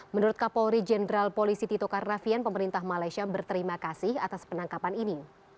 menurut kapolri jenderal polisi tito karnavian pemerintah malaysia berterima kasih atas penangkapan ini